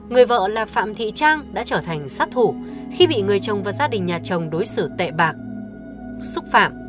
người vợ là phạm thị trang đã trở thành sát thủ khi bị người chồng và gia đình nhà chồng đối xử tệ bạc xúc phạm